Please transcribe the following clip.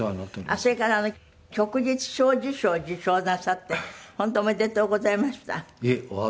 それから旭日小綬章を受章なさって本当おめでとうございました。